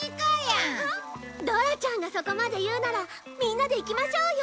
ドラちゃんがそこまで言うならみんなで行きましょうよ！